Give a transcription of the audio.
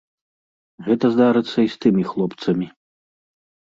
Гэта здарыцца і з тымі хлопцамі.